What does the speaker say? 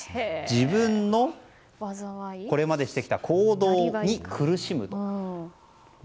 自分のこれまでしてきた行動に苦しむと。